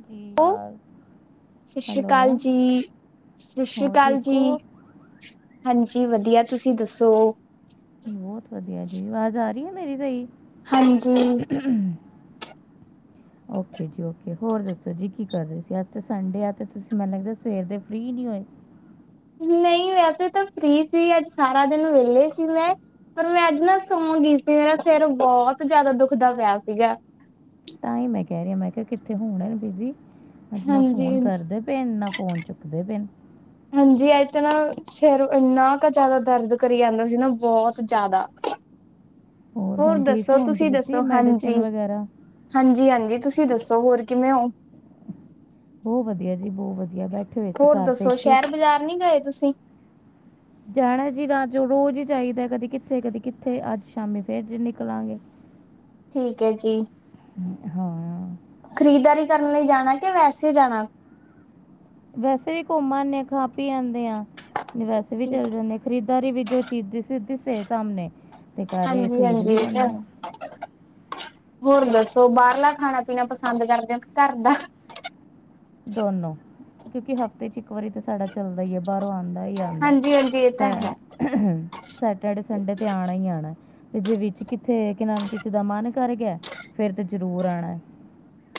ਜੀ ਲੋ ਸਤਿ ਸ਼੍ਰੀ ਅਕਾਲ ਹੈਲੋ ਜੀ, ਸਤਿ ਸ੍ਰੀ ਹੋਰ ਅਕਾਲ ਠੀਕ ਜੀ। ਹੋ ਹਾਂਜੀ ਵਧੀਆ, ਤੁਸੀਂ ਦੱਸੋ? ਬਹੁਤ ਵਧੀਆ ਜੀ, ਆਵਾਜ਼ ਆ ਰਹੀ ਹੈ ਮੇਰੀ ਸਹੀ। ਹਾਂਜੀ। ਹ [unintelligible] [inaudible] ਓਕੇ ਜੀ ਓਕੇ ਹੋਰ ਦੱਸੋ ਜੀ ਕੀ ਕਰ ਰੇ ਸੀ ਅੱਜ ਤੇ ਸੰਡੇ ਆ ਅਜ ਤੇ ਤੁਸੀਂ ਮੈਨੂੰ ਲੱਗਦਾ ਸਵੇਰ ਦੇ ਫ੍ਰਰੀ ਨਹੀਂ ਹੋਏ। ਨਹੀਂ ਵੈਸੇ ਤਾਂ ਫ੍ਰੀ ਸੀ ਅੱਜ ਸਾਰਾ ਦਿਨ ਵਿਹਲੇ ਸੀ ਮੈਂ। ਪਰ ਮੈਂ ਅੱਜ ਨਾ ਸੌਂ ਗਈ ਸੀ ਮੇਰਾ ਸਿਰ ਬਹੁਤ ਜ਼ਿਆਦਾ ਦੁਖਦਾ ਪਿਆ ਸੀਗਾ। ਤਾਂ ਹੀ ਮੈਂ ਕਹਿ ਰਹੀਂ ਆ ਮੈਂ ਕਿਹਾ ਕਿੱਥੇ ਹੋਣੇ ਬਿਜ਼ੀ ਨਹੀਂ ਤਾ ਹਾਂਜੀ ਫੋਨ ਹਾਂਜੀ। ਕਰਦੇ। ਤੇ ਨਾ ਫੋਨ ਚੁੱਕਦੇ ਪਏ ਨੇ। ਹਾਂਜੀ ਅੱਜ ਤਾਂ ਨਾ ਸਿਰ ਇੰਨਾ ਕੁ ਜ਼ਿਆਦਾ ਦਰਦ ਕਰੀ ਜਾਂਦਾ ਸੀ ਨਾ ਬਹੁਤ ਜ਼ਿਆਦਾ। ਹੋਰ ਹੁਣ ਠੀਕ ਦੱਸੋ ਹੋਣ ਦੀ ਤੁਸੀਂ ਲਿੱਤੀ ਦੱਸੋ ਹਾਂਜੀ, ਮੈਡੀਸਿਨ ਵਗੈਰਾ ਹਾਂਜੀ-ਹਾਂਜੀ ਤੁਸੀਂ ਦੱਸੋ ਹੋਰ ਕਿਵੇਂ ਹੋ? ਬਹੁਤ ਵਧੀਆ ਜੀ ਬਹੁਤ ਵਧੀਆ ਬੈਠੇ ਹੋਏ ਸੀ ਹੋਰ ਘਰ ਦੱਸੋ ਪੇਕ ਕੇ ਸ਼ਹਿਰ, ਬਾਜ਼ਾਰ ਨਹੀਂ ਗਏ ਤੁਸੀਂ? ਜਾਣਾ ਜੀ ਰਾਜ ਰੋਜ਼ ਹੀ ਜਾਹੀਦਾ ਕਦੀ ਕਿੱਥੇ- ਕਦੀ ਕਿੱਥੇ ਅੱਜ ਸ਼ਾਮੀ ਫੇਰ ਨਿਕਲਾਂਗੇ। ਠੀਕ ਹੈ ਜੀ। ਹਾਂ। ਖਰੀਦਦਾਰੀ ਕਰਨ ਲਈ ਜਾਣਾ, ਕਿ ਵੈਸੇ ਜਾਣਾ। ਵੈਸੇ ਵੀ ਘੁੰਮ ਆਨੇ ਆ ਖਾ ਪੀ ਆਂਦੇ ਆ। ਵੈਸੇ ਵੀ ਚੱਲ ਜਾਂਦੇ ਖਰੀਦਦਾਰੀ ਵੀ ਜੋ ਚੀਜ਼ ਦਿਸੇ ਦੀ ਸੀ ਸਾਹਮਣੇ। ਤੇ ਘਰ ਈ ਹਾਂਜੀ ਖਰੀਦ ਹਾਂਜੀ ਵੀ ਇਹ ਤਾਂ ਲੈਂਦੇ ਹੈ ਆ। ਹੋਰ ਦੱਸੋ ਬਾਹਰਲਾ ਖਾਣਾ- ਪੀਣਾ ਪਸੰਦ ਕਰਦੇ ਹੋ ਕੀ ਘਰ ਦਾ? ਦੋਨੋ ਕਿਉਂਕਿ ਹਫ਼ਤੇ ਚ ਇਕ ਇੱਕ ਵਾਰੀ ਤਾਂ ਸਾਡਾ ਚੱਲਦਾ ਈ ਹੈ ਬਾਹਰੋਂ ਆਉਂਦਾ ਈ ਆਉਂਦਾ ਹੈ, ਹਾਂਜੀ ਹਾਂਜੀ ਇਹ ਤਾਂ ਹੈ ਸ- ਸੈਟਡੇ, ਸਡੇ ਤੇ ਆਣਾ ਹੀ ਆਣਾ ਐ। ਤੇ ਜੇ ਵਿੱਚ ਕਿੱਥੇ ਕਿ ਨਾਮ ਕਿਸੇ ਦਾ ਮਨ ਕਰ ਗਿਆ ਫੇਰ ਤੇ ਜਰੂਰ ਆਉਣਾ ਏ।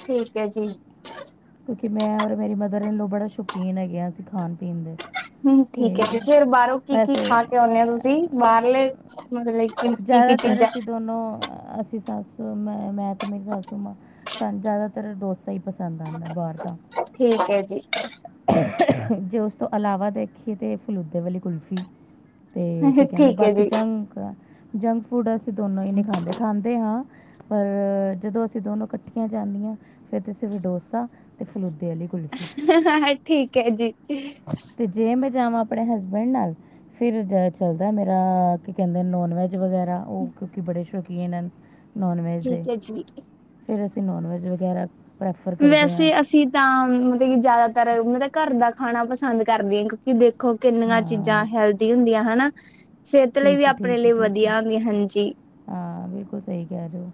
ਠੀਕ ਹੈ ਜੀ। ਕਿਉਂਕਿ ਮੈਂ ਔਰ ਮੇਰੀ ਮਦਰ ਈਨ ਲੋ ਬੜੇ ਸ਼ੌਕੀਨ ਹੈਗੇ ਆ ਅਸੀਂ ਖਾਣ- ਪੀਣ ਦੇ। ਹੂੰ ਠੀਕ ਹੈ ਅਤੇ ਜੀ ਫੇਰ ਬਾਹਰੋਂ ਕੀ- ਕੀ ਖਾ ਕੇ ਆਉਂਨੇ ਹੋ ਤੁਸੀਂ ਵੈਸੇ ਬਾਹਰਲੇ ਮਤਲਬ- ਕਿ ਕੀ ਕੀ ਜ਼ਿਆਦਾਤਰ ਚੀਜ਼ਾਂ ਅਸੀਂ ਦੋਨੋ ਅਸੀਂ ਸੱਸੂ ਮੈਂ, ਮੈਂ ਤੇ ਮੇਰੀ ਸਸੂ ਮਾਂ- ਸਾਨੂੰ ਜ਼ਿਆਦਾਤਰ ਡੋਸਾ ਹੀ ਪਸੰਦ ਆਉਂਦਾ ਬਾਹਰ ਦਾ। ਠੀਕ ਹੈ ਜੀ। ਜੇ ਉਸ ਤੋਂ ਇਲਾਵਾ ਦੇਖੀਏ ਤੇ ਫਲੂਦੇ ਵਾਲੀ ਕੁਲਫੀ। ਤੇ ਕੀ ਕਹਿੰਦੇ ਠੀਕ ਹੈ ਬਾਕੀ ਜੀ ਜੰਕ ਆ, ਜੰਕ ਫੂਡ ਅਸੀਂ ਦੋਨੋ ਹੀ ਨਹੀਂ ਖਾਂਦੇ, ਖਾਂਦੇ ਹਾਂ ਪਰ ਜਦੋਂ ਅਸੀਂ ਦੋਨੋ ਇਕੱਠੀਆਂ ਜਾਂਦੀਆਂ। ਫੇਰ ਤੇ ਸਿਰਫ ਡੋਸਾ, ਤੇ ਫਲੂਦੇ ਵਾਲੀ ਕੁਲਫੀ। ਹਾਂ ਠੀਕ ਹੈ ਜੀ। ਤੇ ਜੇ ਮੈਂ ਜਾਵਾਂ ਆਪਣੇ ਹਸਬੈਂਡ ਨਾਲ ਫੇਰ ਜ਼ੋਰ ਚਲਦਾ ਮੇਰਾ ਕੀ ਕਹਿੰਦੇ ਨੋਨ ਵੈੱਜ ਵਗੈਰਾ ਉਹ ਕਿਉਂਕਿ ਬੜੇ ਸ਼ੌਕੀਨ। ਕੀਨ ਹਨ ਨੋਨ ਵੈਜ ਦੇ, ਠੀਕ ਹੈ ਜੀ ਫੇਰ ਅਸੀਂ ਨੋਨ ਵੈਜ ਵਗੈਰਾ। ਪ੍ਰੈਫਰ ਕਰਦੇ ਹਾਂ ਵੈਸੇ ਅਸੀਂ ਤਾਂ ਮਤਲਬ ਕਿ, ਜ਼ਿਆਦਾਤਰ ਮਤਲਬ ਘਰ ਦਾ ਖਾਣਾ ਪਸੰਦ ਕਰਦੇ ਹਾਂ ਕਿਉਂਕਿ ਦੇ ਦੇਖੋ ਕਿੰਨੀਆਂ ਚੀਜ਼ਾਂ ਹਾਂ ਹੈਲਦੀ ਹੁੰਦੀਆਂ, ਹਨਾ। ਸਿਹਤ ਲਈ ਵੀ, ਠੀਕ ਹੈ ਆਪਣੇ ਠੀਕ ਹੈ ਲਈ ਠੀਕ ਹੈ ਵਧੀਆ ਹੁੰਦੀ, ਹਾਂਜੀ। ਹਾਂ, ਬਿਲਕੁਲ ਸਹੀ ਕਹਿ ਰਹੇ ਹੋ।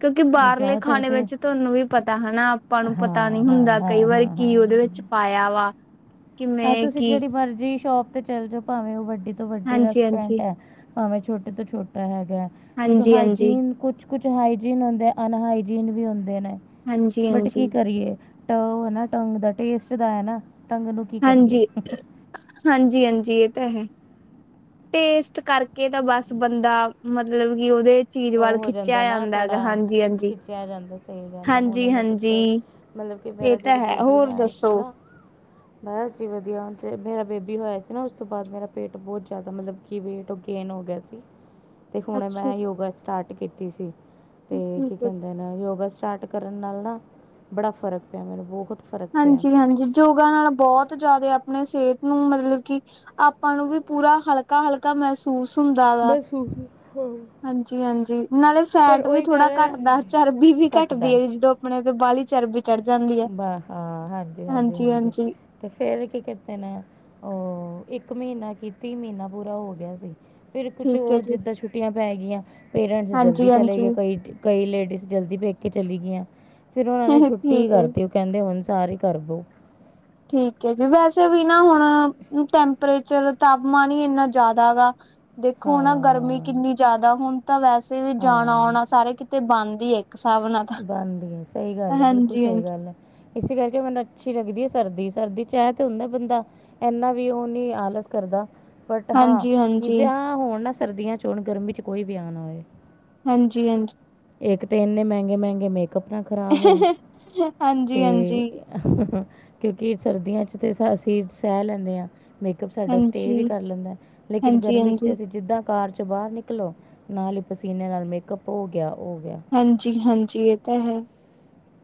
ਕਿਉਂਕਿ ਬਾਹਰਲੇ ਜ਼ਿਆਦਾਤਰ ਖਾਣੇ ਤਾਂ ਵਿੱਚ ਤੁਹਾਨੂੰ ਵੀ ਪਤਾ ਹਨਾ, ਆਪਾਂ ਨੂੰ ਹਾਂ ਪਤਾ ਨਹੀਂੀ ਹਾਂ ਹੁੰਦਾ ਹਾਂ ਕਈ ਵਾਰੀ ਹਾਂ ਹਾਂ ਕੀ ਉਹਦੇ ਵਿੱਚ ਪਾਇਆ ਵਾ ਆਹ ਕਿਵੇਂ ਤੁਸੀਂ ਕੀ ਜਿਹੜੀ ਮਰਜ਼ੀ ਸ਼ੋਪ ਤੇ ਚੱਲ ਜਾਓ, ਭਾਵੇਂ ਉਹ ਵੱਡੀ ਵੱਡੀ ਹਾਂਜੀ ਹਾਂਜੀ ਰੈਸਟੋਰੈਂਟ ਹੈ, ਭਾਵੇਂ ਛੋਟੇ ਤੋਂ ਛੋਟਾ ਹੈਗਾ ਹੈ, ਲੇਕਿਨ ਹਾਂਜੀ ਹਾਂਜੀ ਹਾਈਜੀਨ ਕੁਛ ਕੁਛ ਹਾਈਜੀਨ ਹੁੰਦੇ, ਅਨਹਾਜੀਨ ਵੀ ਹੁੰਦੇ ਨੇ, ਹਾਂਜੀ ਬਟ ਹਾਂਜੀ ਕੀ ਕਰੀਏ। ਟ ਹਨਾ ਟੰਗ ਦਾ, ਟੇਸਟ ਦਾ ਹੈ ਨਾ, ਟੰਗ ਨੂੰ ਕੀ ਕਰੀਏ ਹਾਂਜੀ, ਹਾਂਜੀ ਹਾਂਜੀ ਇਹ ਤਾਂ ਹੈ। ਟੇਸਟ ਕਰਕੇ ਤਾਂ ਬਸ ਬੰਦਾ, ਮਤਲਬ ਕਿ ਉਹਦੇ ਚੀਜ਼ ਉਹ ਵੱਲ ਹੋ ਖਿੱਚਿਆ ਜਾਂਦਾ ਨਾ ਹੈਗਾ ਥੋੜ੍ਹਾ, ਹਾਂਜੀ ਹਾਂਜੀ ਖਿੱਚਿਆ ਜਾਂਦਾ ਸਹੀ ਗੱਲ, ਹੁਣ ਹਾਂਜੀ ਮੈਂ ਹਾਂਜੀ ਪਿੱਛੇ ਮਤਲਬ ਕਿ, ਇਹ ਮੇਰਾ ਤਾਂ ਜਦੋਂ ਹੈ ਬੇਬੀ ਹੋਰ ਹੋਇਆ ਸੀ ਦੱਸੋ ਨਾ ਬਸ ਜੀ ਵਧੀਆਣ, ਮੇਰਾ ਬੇਬੀ ਹੋਇਆ ਸੀ ਨਾ ਉਸ ਤੋਂ ਬਾਅਦ ਮੇਰਾ ਪੇਟ ਬਹੁਤ ਜ਼ਿਆਦਾ ਮਤਲਬ ਕੀ, ਵੇਟ ਉਹ ਗੇਨ ਹੋ ਗਿਆ ਸੀ ਤੇ ਹੁਣ ਅੱਛਾ ਮੈਂ ਯੋਗਾ ਸਟਾਰਟ ਕੀਤੀ ਸੀ, ਜੀ, ਤੇ ਠੀਕ ਕੀ ਹੈ ਜੀ ਕਹਿੰਦੇ ਨਾ ਯੋਗਾ ਸਟਾਰਟ ਕਰਨ ਨਾਲ ਨਾ, ਬੜਾ ਫ਼ਰਕ ਪਿਆ ਮੈਨੂੰ ਬਹੁਤ ਫ਼ਰਕ ਪਿਆ ਹਾਂਜੀ, ਹਾਂਜੀ। ਯੋਗਾ ਨਾਲ ਬਹੁਤ ਜਿਆਦਾ, ਆਪਣੇ ਸਿਹਤ ਨੂੰ ਮਤਲਬ ਕਿ ਆਪਾਂ ਨੂੰ ਵੀ ਪੂਰਾ ਹਲਕਾ- ਹਲਕਾ ਲਕਾ ਮਹਿਸੂਸ ਹੁੰਦਾ ਗਾ। ਹੂੰ। ਹਾਂਜੀ ਹਾਂਜੀ, ਨਾਲੇ ਪਰ ਫੈਟ ਵੀ ਉਹੀ ਥੋੜਾ ਗੱਲ ਹੈ ਘੱਟਦਾ, ਚਰਬੀ ਵੀ ਘਟਦਾ ਘੱਟਦੀ ਹੈ ਜਦੋਂ ਆਪਣੇ ਤੇ ਬਾਹਲੀ, ਚਰਬੀ ਚੜ੍ਹ ਜਾਂਦੀ ਹੈ। ਬਾ ਹਾਂ ਹਾਂਜੀ, ਹਾਂਜੀ -ਹਾਂਜੀ। ਹਾਂਜੀ-ਹਾਂਜੀ। ਤੇ ਫੇਿਰ ਕੀ ਕੀਤੇ ਨੇ ਉਹ, ਇੱਕ ਮਹੀਨਾ ਕੀ ਤੀਹ ਮਹੀਨਾ ਪੂਰਾ ਹੋ ਗਿਆ ਸੀ। ਫਿਰ ਕੁਛ ਠੀਕ ਹੈ ਉਹ ਜੀ ਜਿੱਦਾਂ ਛੁੱਟੀਆਂ ਪੈ ਗਈਆਂ, ਪੇਰੈਂਟਸ ਜਲਦੀ ਚਲੇ ਗਏ ਹਾਂਜੀ-ਹਾਂਜੀ ਕਈ ਕਈ ਲੇਡੀਜ਼ ਜਲਦੀ ਪੇਕ ਕੇ ਚਲੀ ਗਈਆਂ, ਫਿਰ ਉਹਨਾਂ ਨੇ ਛੁੱ ਠੀਕ ਹੈ ਜੀ। ਕਹਿੰਦੇ ਹੁਣ, ਸਾਰੇ ਹੀ ਕਰ ਬੋ। ਠੀਕ ਹੈ ਜੀ, ਵੈਸੇ ਵੀ ਨਾ ਹੁਣ, ਟੈਂਪਰੇਚਰ ਤਾਪਮਾਨ ਹੀ ਇੰਨਾ ਜ਼ਿਆਦਾ ਵਾ ਦੇਖੋ ਨਾ ਗਰਮੀ ਹਾਂ ਕਿੰਨੀ ਜ਼ਿਆਦਾ, ਹੁਣ ਤਾਂ ਵੈਸੇ ਵੀ ਜਾਣਾ ਹਾਂ ਆਉਣਾ, ਸਾਰੇ ਕਿਤੇ ਬਣਦ ਹੀ ਹੈ ਇੱਕ ਹਿਸਾਬ ਨਾਲ। ਤਾਂ ਬੰਦ ਹੈ, ਸਹੀ ਗੱਲ ਹੈ, ਬਿਲਕੁਲ ਸਹੀ ਹਾਂਜੀ-ਹਾਂਜੀ। ਗੱਲ ਹੈ। ਇਸੇ ਕਰਕੇ ਮੈਨੂੰ ਅੱਛੀ ਲੱਗਦੀ ਹੈ ਸਰਦੀ, ਸਰਦੀ 'ਚ ਇਹ ਤੇ ਹੁੰਦਾ ਬੰਦਾ ਇਨਾ ਵੀ, ਉਹ ਨੀ ਆਲਸ ਕਰਦਾ ਬਟ ਹਾਂ, ਹਾਂਜੀ ਕਿ ਹਾਂਜੀ ਵਿਆਹ ਹੋਣ ਨਾ ਸਰਦੀਆਂ 'ਚ ਹੋੁਣ, ਗਰਮੀ 'ਚ ਕੋਈ ਵੀ ਆ ਨਾ ਹੋਵੇ। ਹਾਂਜੀ, ਹਾਂਜੀ। ਇੱਕ ਤਾਂ, ਇੰਨੇ ਮਹਿੰਗੇ -ਮਹਿੰਗੇ ਮੇਕਅੱਪ ਨਾ ਖ਼ਰਾਬ ਹੋਣ ਤੇ ਹਾਂਜੀ ਹਾਂਜੀ ਹਾਂਜੀ ਕਿਉਂਕਿ ਸਰਦੀਆਂ 'ਚ ਤੇ ਅਸੀਂ, ਸਹਿ ਲੈਂਦੇ ਹਾਂ ਸਾਡਾ ਸਟੇ ਹਾਂਜੀ ਵੀ ਕਰ ਲੈਂਦਾ, ਲੇਕਿਨ ਹਾਂਜੀ ਗਰਮੀ 'ਚ ਅਸੀਂ ਜਿੱਦਾਂ ਕਾਰ 'ਚ ਬਾਹਰ ਨਿਕਲੋ, ਨਾਲ ਹੀ ਪਸੀਨੇ ਨਾਲ ਮੇਕਅਪ ਹੋ ਗਿਆ, ੳ ਗਿਆ। ਹਾਂਜੀ ਹਾਂਜੀ, ਇਹ ਤਾਂ ਹੈ।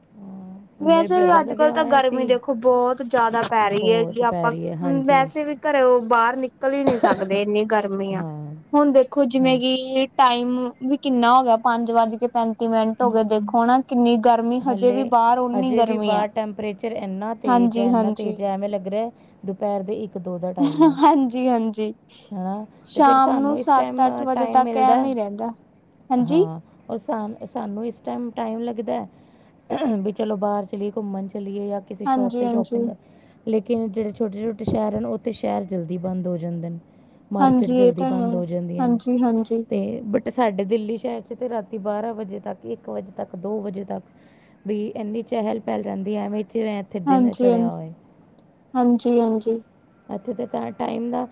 ਹਾਂ, ਹੁਣ ਮੇਰੇ ਵੈਸੇ ਵੀ ਬ੍ਰਦਰ ਅੱਜ ਦਾ ਕੱਲ੍ਹ ਵਿਆਹ ਤਾਂ ਹੋਇਆ ਗਰਮੀ ਸੀ ਦੇਖੋ, ਬਹੁਤ ਜ਼ਿਆਦਾ ਪੈ ਰਹੀ ਹੈਗੀ ਬਹੁਤ ਪੈ ਆਪਾਂ ਰਹੀ ਹੈ ਹਾਂਜੀ ਵੈਸੇ ਵੀ ਘਰੇ ਬਾਹਰ ਨਿਕਲ ਹੀ ਨਹੀਂ ਸਕਦੇ ਇੰਨੀ ਗਰਮੀ ਆ, ਹਾਂ ਹੁਣ ਦੇਖੋ ਜਿਵੇਂ ਹਾਂ ਕਿ ਟਾਈਮ ਵੀ ਕਿੰਨਾ ਹੋ ਗਿਆ, ਪੰਜ ਵੱਜ ਕੇ ਪੈਂਤੀ ਮਿੰਟ ਹੋ ਗਏ, ਦੇਖੋ ਹਨ ਨਾ ਕਿੰਨੀ ਗਰਮੀ ਹਜੇ ਵੀ ਬਾਹਰ ਓਨੀ ਹਜੇ ਵੀ ਗਰਮੀ ਆ ਬਾਹਰ ਟੈਂਪਰੇਚਰ ਇਨਾ ਤੇਜ਼ ਹਾਂਜੀ ਹੈ ਇਨਾ ਹਾਂਜੀ ਤੇਜ਼ ਹੈ ਐਵੇਂ ਲੱਗ ਰਿਹਾ। ਦੁਪਹਿਰ ਦੇ ਇੱਕ ਦੋ ਦਾ ਟਾਈਮ ਹੈ ਹਾਂਜੀ ਹਾਂਜੀ ਹੈ ਤੇ ਫਿਰ ਸ਼ਾਮ ਨੂੰ ਸਾਨੂੰ ਇਸ ਟਾਈਮ ਸੱਤ ਅੱਠ ਵਜੇ ਟਾਈਮ ਤੱਕ ਮਿਲਦਾ ਹੈ ਐਵੇਂ ਹੀ ਰਹਿੰਦਾ ਹਾਂਜੀ ਹਾਂ ਔਰ ਸਾਨ ਸਾਨੂੰ ਇਸ ਟਾਈਮ ਟਾਈਮ ਲੱਗਦਾ ਹੈ ਵੀ ਚਲੋ ਬਾਹਰ ਚਲੀਏ ਘੁੰਮਣ ਚਲੀਏ ਜਾਂ ਕਿਸੇ ਸ਼ੋਪ 'ਤੇ ਹਾਂਜੀ-ਹਾਂਜੀ, ਸ਼ੋਪਿੰਗ ਹਾਂਜੀ ਲੇਕਿਨ ਇਹ ਜਿਹੜੇ ਛੋਟੇ ਛੋਟੇ ਸ਼ਹਿਰ ਹਨ ਉੱਥੇ ਸ਼ਹਿਰ ਜਲਦੀ ਬੰਦ ਹੋ ਜਾਂਦੇ ਨੇ ਮਾਰਕੀਟ ਹਾਂਜੀ ਇਹ ਜਲਦੀ ਤਾਂ ਬੰਦ ਹੈ। ਹੋ ਜਾਂਦੀਆਂ ਨੇ ਹਾਂਜੀ-ਹਾਂਜੀ, ਤੇ ਸਾਡੇ ਦਿੱਲੀ ਸ਼ਹਿਰ ਚ ਤੇ ਰਾਤੀ ਬਾਰਾਂ ਵਜੇ ਤੱਕ ਇੱਕ ਵਜੇ ਤੱਕ ਦੋ ਵਜੇ ਤੱਕ ਵੀ ਇੰਨੀ ਚਹਿਲ ਪਹਿਲ ਰਹਿੰਦੀ ਹੈ ਐਵੇਂ ਚ ਹਾਂਜੀ ਹਾਂਜੀ ਹਾਂਜੀ ਹਾਂਜੀ ਐਥੇ ਤੇ ਤਾਂ ਟਾਈਮ ਦਾ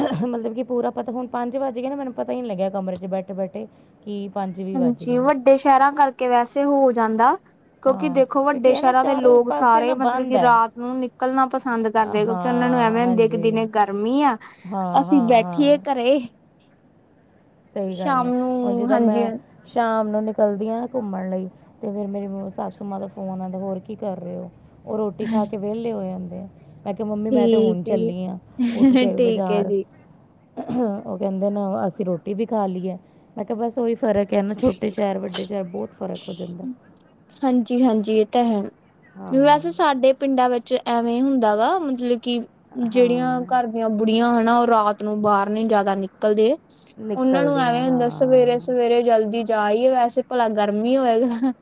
ਮਤਲਬ ਕਿ ਪੂਰਾ ਪਤਾ ਹੁਣ ਪੰਜ ਵੱਜ ਗਏ ਨਾ ਮੈਨੂੰ ਪਤਾ ਹੀ ਨਹੀਂ ਲੱਗਿਆ ਕਮਰੇ ਚ ਬੈਠੇ ਬੈਠ। ਕੀ ਪੰਜ ਵੀ ਵੱਜ ਹਾਂਜੀ ਗਏ ਵੱਡੇ ਸ਼ਹਿਰਾਂ ਕਰਕੇ ਵੈਸੇ ਹੋ ਜਾਂਦਾ ਕਿਉਂਕਿ ਹਾਂ ਦੇਖੋ ਕਿਉਂਕਿ ਵੱਡੇ ਇਹ ਨਾ ਸ਼ਹਿਰਾਂ ਦੇ ਚਾਰੋਂ ਲੋਕ ਪਾਸੇ ਸਾਰੇ ਨਾ ਮਤਲਬ ਬੰਦ ਕਿ ਹੈ ਰਾਤ ਨੂੰ ਨਿਕਲਣਾ ਪਸੰਦ ਕਰਦੇ ਕਿਉਂਕਿ ਉਹਨਾਂ ਨੂੰ ਹਾਂ ਐਵੇਂ ਹੁੰਦੇ ਕਿ ਹਾਂਜੀ ਦਿਨੇ ਗਰਮੀ ਆ ਹਾਂ ਅਸੀਂ ਹਾਂ ਹਾਂ ਬੈਠੀਏ ਘਰੇ ਸਹੀ ਗੱਲ ਹੈ ਸ਼ਾਮ ਹੁਣ ਨੂੰ ਜਿੱਦਾਂ ਹਾਂਜੀ ਮੈਂ ਸ਼ਾਮ ਨੂੰ ਨਿਕਲਦੀਆਂ ਨਾ ਘੁੰਮਣ ਲਈ ਤੇ ਫੇਰ ਮੇਰੀ ਸੱਸੂ ਮਾਂ ਦਾ ਫੋਨ ਆਉਂਦਾ ਹੋਰ ਕੀ ਕਰ ਰਹੇ ਹੋ। ਉਹ ਰੋਟੀ ਖਾ ਕੇ ਵਿਹਲੇ ਹੋ ਜਾਂਦੇ ਆ ਮੈਂ ਕਿਹਾ ਮੰਮੀ ਮੈਂ ਤੇ ਠੀਕ ਹੁਣ ਹੈ ਚੱਲੀ ਆ ਉੱਠ ਜੀ। ਕੇ ਠੀਕ ਹੈ ਬਜ਼ਾਰ ਜੀ। ਉਹ ਕਹਿੰਦੇ ਨਾ ਅਸੀਂ ਰੋਟੀ ਵੀ ਖਾ ਲਈ ਹੈ ਮੈਂ ਕਿਹਾ ਬਸ ਉਹੀ ਫਰਕ ਹੈ ਨਾ ਛੋਟੇ ਸ਼ਹਿਰ ਵੱਡੇ ਸ਼ਹਿਰ ਬਹੁਤ ਫ਼ਰਕ ਹਾਂਜੀ ਹਾਂਜੀ ਇਹ ਤਾਂ ਹੈ ਹਾਂ ਵੈਸੇ ਸਾਡੇ ਪਿੰਡਾਂ ਵਿੱਚ ਐਵੇਂ ਹੁੰਦਾ ਗਾ ਮਤਲਬ ਕਿ ਜਿਹੜੀਆਂ ਹਾਂ ਘਰ ਦੀਆਂ ਬੁੜੀਆਂ ਹਨਾ ਉਹ ਰਾਤ ਨੂੰ ਬਾਹਰ ਨੀ ਜਿਆਦਾ ਨਿਕਲਦੇ ਉਹਨਾਂ ਨੂੰ ਨਿਕਲਦੀ ਐਵੇਂ ਹਾਂ ਹੁੰਦਾ ਹਾਂ ਸਵੇਰੇ ਸਵੇਰੇ ਜਲਦੀ ਜਾ ਆਈਏ ਵੈਸੇ ਭਲਾ ਗਰਮੀ ਹੋਵੇਗਾ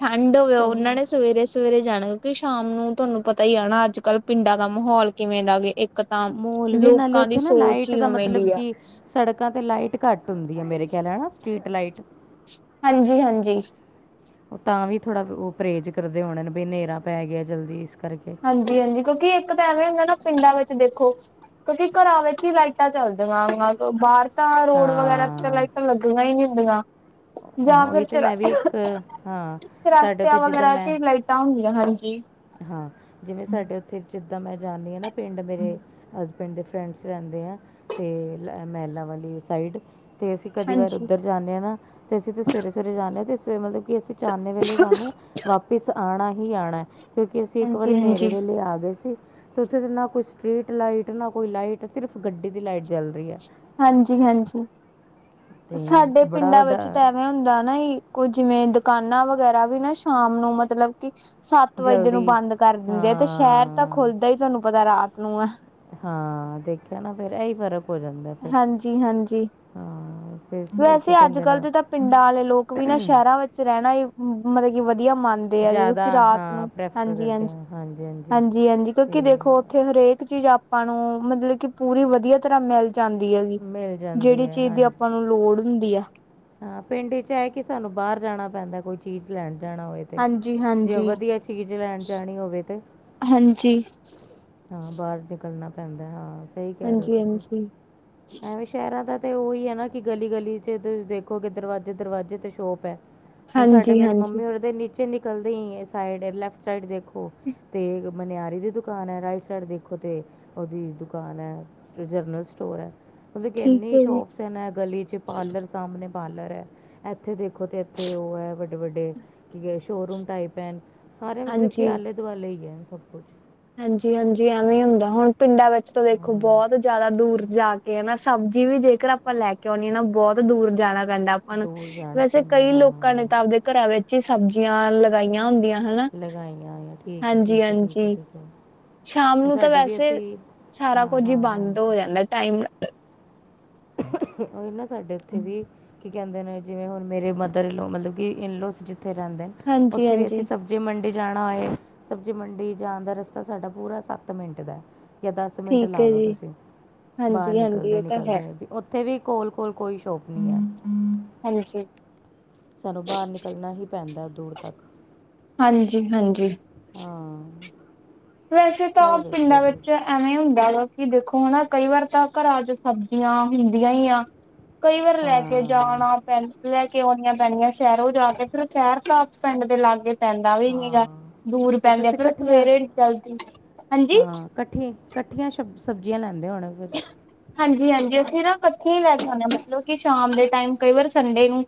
ਠੰਡ ਹੋਵੇ ਉਹਨਾਂ ਹੋ- ਨੇ ਸਵੇਰੇ ਸਵੇਰੇ ਜਾਣਾ ਤੇ ਸ਼ਾਮ ਨੂੰ ਤੁਹਾਨੂੰ ਪਤਾ ਹੀ ਆ ਹੈ ਨਾ ਅੱਜ ਕੱਲ ਪਿੰਡਾਂ ਦਾ ਮਾਹੌਲ ਕਿਵੇਂ ਦਾ ਗੇ ਇੱਕ ਇਕ ਤਾਂ ਮੋਲ ਵੀ ਨਾਲੇ ਲੋਕਾਂ ਦੀ ਉੱਥੇ ਨਾ ਸੋਚ ਲਾਈਟ ਹੀ ਦਾ ਉਵੇਂ ਮਤਲਬ ਦੀ ਹੈ ਕਿ ਸੜਕਾਂ ਤੇ ਲਾਈਟ ਘੱਟ ਹੁੰਦੀ ਆ ਮੇਰੇ ਖਿਆਲ ਸਟਰੀਟ ਲਾਈਟ ਹਾਂਜੀ ਹਾਂਜੀ ਉਹ ਤਾਂ ਵੀ ਥੋੜਾ ਉਹ ਪਰਹੇਜ਼ ਕਰਦੇ ਹੋਣੇ ਨੇ ਬਈ ਨੇਰਾ ਪੈ ਗਿਆ ਜਲਦੀ ਇਸ ਕਰਕੇ ਹਾਂਜੀ ਹਾਂਜੀ ਕਿਉਂਕਿ ਇੱਕ ਤਾਂ ਐਵੇਂ ਹੁੰਦਾ ਨਾ ਪਿੰਡਾਂ ਵਿੱਚ ਦੇਖੋ ਕਿਉਂਕਿ ਘਰਾਂ ਵਿੱਚ ਹੀ ਲਾਈਟਾਂ ਚੱਲਦੀਆਂ ਬਾਹਰ ਤਾਂ ਰੋਡ ਵਗੈਰਾ ਤੇ ਤਾਂ ਹਾਂ ਲਾਈਟਾ ਲੱਗੀਆਂ ਹੀ ਨਹੀਂ ਹੁੰਦੀਆਂ ਹਾਂ ਜਾਂ ਫਿਰ ਉਹੀ ਤਾਂ ਮੈਂ ਵੀ ਇੱਕ ਹਾਂ ਸਾਡੇ ਚੁਰਸਤਿਆਂ ਉੱਥੇ ਜਿੱਦਾਂ ਵਗੈਰਾ ਮੈਂ ਚ ਲਾਈਟਾਂ ਹੁੰਦੀਆਂ ਹਾਂਜੀ ਹਾਂ ਜਿਵੇਂ ਸਾਡੇ ਉੱਥੇ ਜਿੱਦਾਂ ਮੈਂ ਜਾਂਦੀ ਹਾਂ ਨਾ ਪਿੰਡ ਮੇਰੇ ਹਸਬੈਂਡ ਦੇ ਫਰੈਂਡਸ ਰਹਿੰਦੇ ਆ ਤੇ ਮਹਿਲਾ ਵਾਲੀ ਸਾਈਡ ਤੇ ਅਸੀਂ ਕਦੀ ਵਾਰ ਹਾਂਜੀ ਉੱਧਰ ਜਾਂਦੇ ਹਾਂ ਨਾ ਤੇ ਅਸੀਂ ਤੇ ਸਵੇਰੇ ਸਵੇਰੇ ਜਾਂਦੇ ਹਾਂ ਤੇ ਸਵੇਰੇ ਮਤਲਬ ਕਿ ਅਸੀਂ ਚਾਨਣੇ ਵੇਲੇ ਸਾਨੂੰ ਵਾਪਿਸ ਆਉਣਾ ਹੀ ਆਉਣਾ ਕਿਉਂਕਿ ਅਸੀਂ ਇੱਕ ਹਾਂਜੀ ਵਾਰੀ ਨੇਰੇ ਹਾਂਜੀ ਵੇਲੇ ਆ ਗਏ ਸੀ ਅਤੇ ਉੱਥੇ ਤੇ ਨਾ ਕੋਈ ਸਟਰੀਟ ਲਾਈਟ ਨਾ ਕੋਈ ਲਾਈਟ ਸਿਰਫ਼ ਗੱਡੀ ਦੀ ਲਾਈਟ ਜਲ ਰਹੀ ਹੈ ਹਾਂਜੀ ਹਾਂਜੀ ਅਤੇ ਸਾਡੇ ਬੜਾ ਪਿੰਡਾਂ ਡ ਵਿੱਚ ਤਾਂ ਐਵੇਂ ਹੁੰਦਾ ਨਾ ਜੀ ਕੋ ਜਿਵੇਂ ਦੁਕਾਨਾਂ ਵਗੈਰਾ ਵੀ ਨਾ ਸ਼ਾਮ ਨੂੰ ਮਤਲਬ ਕਿ, ਸੱਤ ਵਜੇ ਨੂੰ ਜਲਦੀ ਬੰਦ ਕਰ ਦਿੰਦੇ ਐ ਤੇ, ਸ਼ੈਹਰ ਤਾਂ ਹਾਂ ਖੁੱਲਦਾ ਈ ਤੁਆਨੂੰ ਪਤਾ, ਰਾਤ ਨੂੰ ਐ। ਹਾਂ, ਦੇਖੇਆ ਨਾ ਫੇਰ ਐ ਈ ਫਰ ਹੋ ਜਾਂਦਾ ਫਿਰ ਹਾਂਜੀ ਹਾਂਜੀ ਹਾਂ, ਫਿਰ ਓ ਵੈਸੇ ਕੀ ਅੱਜ ਕੈੰਦੇ ਕੱਲ੍ਹ ਨ। ਦੇ ਤਾਂ ਪਿੰਡਾਂ ਆਲੇ ਲੋਕ ਵੀ ਨਾ, ਸ਼ੈਹਰਾਂ ਵਿੱਚ ਰੈਣਾ ਈ ਮਤਲਬ ਕੀ ਵਧੀਆ ਮੰਨ ਹੈਗੇ, ਜ਼ਿਆਦਾ ਕਿਉਂਕਿ ਰਾਤ ਹਾਂ ਨੂੰ ਪ੍ਰੈਫਰ ਹਾਂਜੀ ਕਰਦੇ -ਹਾਂਜੀ, ਆ ਹਾਂਜੀ ਹਾਂਜੀ -ਹਾਂਜੀ ਅਤੇ ਕਿਉਂਕਿ ਦੇਖੋ, ਉੱਥੇ ਹਰੇਕ ਚੀਜ ਆਪ ਆਪਾਂ ਨੂੰ, ਮਤਲਬ ਕਿ ਪੂਰੀ ਵਧੀਆ ਤਰ੍ਹਾਂ ਮਿਲ ਜਾਂਦੀ ਹੈਗੀ, ਮਿਲ ਜਾਂਦੀ ਜੇਹੜੀ ਹੈ ਚੀਜ ਦੀ ਹਾਂਜੀ ਆਪਾਂ ਨੂੰ, ਲੋੜ ਹੁੰਦੀ ਆ। ਹਾਂ, ਪਿੰਡ ਚ ਐ ਕਿ, ਸਾਨੂੰ ਬਾਰ ਜਾਣਾ ਪੈਂਦਾ ਕੋਈ ਚੀਜ਼ ਲੈਣ ਜਾਣਾ ਹੋਏ। ਤੇ, ਹਾਂਜੀ ਜੇ ਹਾਂਜੀ ਵਦੀਆ ਚੀਜ ਲੈਣ ਜਾਣੀ ਹੋਵੇ, ਤੇ ਹਾਂਜੀ ਹਾਂ, ਬਾਰ ਨਿਕਲਨਾਂ ਪੈਂਦਾ, ਹਾਂ, ਸਈ ਕੇ ਰਏ ਓ ਹਾਂਜੀ ਤੁਸੀ। ਹਾਂਜੀ ਐਂਵੇ ਸ਼ੈਹਰਾਂ ਦਾ ਤੇ ਓਈ ਐ ਨਾ ਕਿ ਗਲੀ- ਗਲੀ 'ਚ ਤੁਸੀ ਦੇਖੋ ਕਿ ਦਰਵਾਜੇ -ਦਰਵਾਜੇ ਤੇ ਸ਼ੋਪ ਐ ਹੁਣ ਸਾਡੇ, ਹਾਂਜੀ ਮੇਰੀ ਹਾਂਜੀ ਮੰਮੀ ਹੋਰ ਦੇ ਨੀਚੇ ਨਿਕਲਦੇ ਈ, ਸਾਈਡ ਲੈਫਟ ਸਾਈਡ, ਦੇਖੋ ਓ, ਤੇ ਮਨੇਆਰੀ ਦੀ ਦੁਕਾਨ ਐ, ਰਾਈਟ ਸਾਈਡ ਦੇਖੋ ਤੇ ਓਦੀ ਦੁਕਾਨ ਐ ਜਨਰਲ ਸਟੋਰ ਐ। ਮਤਲਬ ਕਿ, ਠੀਕ ਇੰਨੀ ਹੈ ਜੀ ਸ਼ੋਪਸ ਐ ਗਲੀ 'ਚ ਪਾਰਲਰ, ਸਾਮਨੇ ਪਾਰਲਰ ਐ ਏਥੇ ਦੇਖ ਦੇਖੋ, ਤੇ ਇੱਥੇ ਓ ਐ ਵੱਡੇ -ਵੱਡੇ ਕੀ ਐ, ਸ਼ੋਰੂਮ ਟਾਈਪ ਐ ਨ, ਸਾਰੇ ਮਤਲਬ ਕਿ ਆਲੇ ਦੁਆਲੇ ਈ ਐ ਸਬ ਕੁਛ। ਹਾਂਜੀ -ਹਾਂਜੀ, ਐਵੇਂ, ਹੁੰਦਾ ਹੁਣ ਪਿੰਡਾਂ ਵਿੱਚ ਤਾਂ, ਦੇਖੋ ਹਾਂ ਬਹੁਤ ਜਾਦਾ ਦੂਰ ਜਾ ਕੇ ਨਾ, ਸਬਜੀ ਵੀ ਜੇਕਰ ਆਪਾਂ ਲੈ ਕੇ ਆਉਣੀ ਐ ਨਾ, ਬੌਤ ਦੂਰ ਜਾਣਾ ਪੈਂਦਾ। ਆਪਾਂ ਨੂੰ, ਦੂਰ ਜਾਣਾ ਵੈਸੇ ਪੈਂਦਾ ਕਈ ਲੋਕਾਂ ਨੇ ਹਾਂ ਤਾਂ ਆਵਦੇ ਘਰਾਂ ਵਿੱਚ ਈ ਸਬਜੀਆਂ ਲਗਾਈਆਂ ਹੁੰਦੀਆਂ। ਹਨਾ ਲਗਾਈਆਂ ਆਈਆਂ, ਠੀਕ ਐ- ਠੀਕ ਐ, ਠੀਕ ਹਾਂਜੀ-ਹਾਂਜੀ ਐ- ਠੀਕ ਐ। ਸ਼ਾਮ ਨੂੰ ਤਾਂ, ਵੈਸੇ ਸਾਰਾ ਹਾਂ ਕੁਝ ਈ ਹਾਂ ਬੰਦ ਹੋ ਹਾਂਜੀ ਜਾਂਦਾ, ਟਾਈਮ ਓਈ ਨਾ ਸਾਡੇ ਉੱਥੇ ਵੀ ਕੀ ਕੈੰਦੇ ਨੇ, ਜਿਵੇਂ ਹੁਨ ਮੇਰੇ ਮਦਰ ਇਨ ਲਾ, ਮਤਲਬ ਕਿ ਇਨ- ਲਾੱਸ, ਜਿੱਥੇ ਰੈੰਦੇ ਨ ਉੱਥੇ ਵੀ ਅਸੀ ਹਾਂਜੀ-ਹਾਂਜੀ ਸਬ ਸਬਜੀ ਮੰਡੀ ਜਾਣਾ ਹੋਏ, ਸਬਜ਼ੀ ਮੰਡੀ ਜਾਣ ਦਾ ਰਸਤਾ, ਸਾਡਾ ਪੂਰਾ ਸੱਤ ਮਿੰਟ ਦੈ। ਯਾ ਦਸ ਮਿੰਟ ਠੀਕ ਲਾ ਹੈ ਲੋ ਜੀ ਤੁਸੀਂ, ਬਾਹਰ ਹਾਂਜੀ-ਹਾਂਜੀ ਨਿਕਲਦੇ- ਇਹ ਤਾਂ ਹੈ ਨਿਕਲਦੇ। ਉੱਥੇ ਵੀ, ਕੋਲ- ਕੋਲ, ਕੋਈ ਸ਼ੋਪ ਨੀਂ ਐ। ਹਾਂਜੀ ਸਾਨੂੰ ਬਾਰ ਨਿਕਲਨਾ ਹੀ ਪੈਂਦਾ, ਦੂਰ ਤੱਕ। ਹਾਂਜੀ -ਹਾਂਜੀ। ਹਾਂ। ਵੈਸੇ ਤਾਂ, ਓ ਹੋਰ ਦੱਸੋ ਪਿੰਡਾਂ ਜੀ ਵਿੱਚ ਐ। ਐਵੇਂ ਹੁੰਦਾ ਵਾ, ਕਿ ਦੇਖੋ, ਹਨਾ ਕਈ ਵਾਰ ਤਾਂ ਘਰਾਂ 'ਚ ਸਬਜੀਆਂ ਹੁੰਦੀਆਂ ਈ ਆ। ਕਈ, ਵਾਰ ਲੈ ਕੇ ਹਾਂ ਜਾਣਾ। ਪ ਲੈ ਕੇ ਆਉਣੀਆਂ ਪੈਣੀਆਂ ਸ਼ੈਹਰੋਂ ਜਾ ਕੇ, ਫਿਰ ਸ਼ੈਹਰ ਸਬ ਪਿੰਡ ਦੇ ਲਾਗੇ। ਪੈਂਦਾ ਵੀ ਨੀ ਗਾ, ਹਾਂ ਦੂਰ ਪੈਂਦੇ ਐ, ਤੁਸੀਂ ਫਿਰ ਇਕੱਠੀਆਂ ਸਵੇਰੇ ਜਲਦੀ, ਹਾਂਜੀ। ਕੱਠੇ, ਕੱਠੀਆਂ ਸ਼ਬ, ਸਬਜ਼ੀਆਂ ਲੈਂਦੇ ਹੋਣੇ ਫੇ ਹਾਂਜੀ -ਹਾਂਜੀ, ਅਸੀਂ ਨਾ ਕੱਠੀਆਂ ਈ ਲੈ ਕੇ ਆਂਨੇ ਹਾਂ, ਮਤਲਬ ਕਿ, ਸ਼ਾਮ ਦੇ ਟਾਈਮ ਕਈ ਵਾਰ ਸੰਡੇ ਨੂੰ।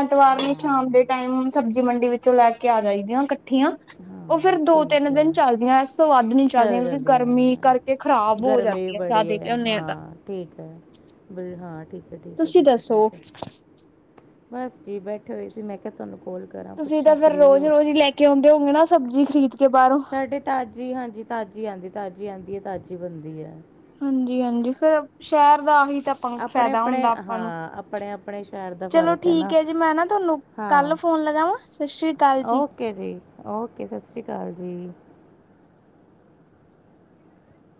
ਐਤਵਾਰ ਨੂੰ ਹਾਂ ਸ਼ਾਮ ਦੇ ਟਾਈਮ, ਸਬਜੀ ਮੰਡੀ ਵਿਚੋਂ ਲੈ ਕੇ ਆ ਜਾਈਦੀਆਂ ਕੱਠੀਆਂ। ਓ ਫੇਰ ਹਾਂ ਦੋ ਠੀਕ ਤਿੰਨ, ਹੈ ਦਿਨ ਚਲਦੀਆਂ ਇਸ ਤੋਂ ਵੱਧ ਨੀ ਚਲਦੀਆਂ ਚੱਲ ਕਿਉਂਕਿ ਜਾਂਦੀਆਂ ਗਰਮੀ ਨੇ ਕਰਕੇ ਖਰਾਬ ਹੋ ਗਰਮੀ ਵੀ ਜਾਂਦੀਆਂ। ਜ਼ਿਆਦਾ ਲਿਆਉਂਦੇ ਆ ਤਾਂ ਹਾਂ, ਠੀਕ ਐ, ਬ ਹਾਂ ਠੀ ਤੁਸੀ ਦੱਸੋ? ਬਸ ਜੀ, ਬੈਠੇ ਹੋਏ ਸੀ ਮੈ ਕਿਆ, ਤੁਆਨੂੰ ਕੋਲ ਕਰਾਂ ਪੁੱਛਾਂ ਫ੍ਰੀ ਓ? ਕਿਉੰਦੇ ਹੋਗੇ ਨਾ, ਸਬਜੀ ਖਰੀਦ ਕੇ ਬਾਰੋਂ- ਸਾਡੇ, ਤਾਜੀ ਹਾਂਜੀ, ਤਾਜੀ ਆਂਦੀ, ਤਾਜੀ ਆਂਦੀ ਐ, ਤਾਜੀ ਬਨਦੀ ਐ। ਹਾਂਜੀ- ਹਾਂਜੀ, ਸਿਰ ਸ਼ੈਹਰ ਦਾ ਆ ਹੀ ਤਾਂ [unintelligible] ਆਪਣੇ ਫਾਇਦਾ ਆਪਣੇ ਹੁੰਦਾ ਆਪਾਂ ਨੂੰ, ਹਾਂ ਆਪਣੇ ਆਪਣੇ ਸ਼ਹਿਰ ਦਾ ਚਲੋ ਫਰਕ ਠੀਕ ਨਾ ਹੈ ਜੀ ਮੈ ਨਾ ਥਾਨੂੰ ਕੱਲ ਫੋਨ ਲਗਾਵਾਂ ਸਤਿ ਸ੍ਰੀ ਕਾਲ। ਔਕੇ ਜੀ-ਔਕੇ ਸਤਿ ਸ਼੍ਰੀ ਕਾਲ ਜੀ।